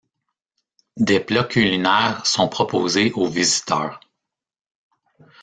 Des plats culinaires sont proposés aux visiteurs.